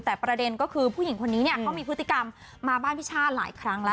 แต่ประเด็นก็คือผู้หญิงคนนี้เนี่ยเขามีพฤติกรรมมาบ้านพี่ช่าหลายครั้งแล้ว